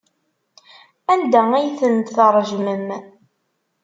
Anda ay tent-tṛejmem?